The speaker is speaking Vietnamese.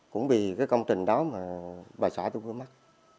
cũng vì cái công trình đó mà bà xã tôi mắc